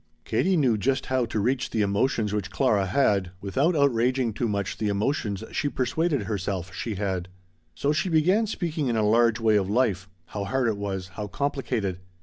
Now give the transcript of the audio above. Katie knew just how to reach the emotions which Clara had, without outraging too much the emotions she persuaded herself she had. So she began speaking in a large way of life, how hard it was, how complicated.